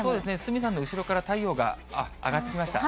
鷲見さんの後ろから太陽が上がってきました。